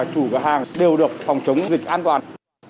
chủ cửa hàng đều được phòng chống dịch an toàn